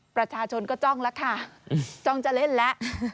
ประชาชนก็จ้องแล้วค่ะจ้องจะเล่นแล้ว